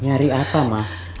nyari apa mah